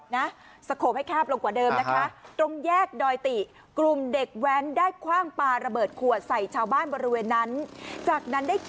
นะไม่แคบกว่าเดิมนะฮะตรงแยกดอยติกลุ่มเด็กแว้นได้คว่างป่าระเบิดขวด